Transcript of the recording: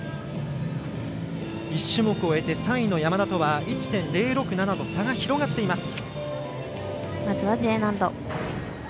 １種目終えて３位の山田とは１．０６７の差が広がっています。